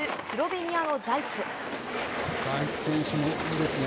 スロベニアのザイツ。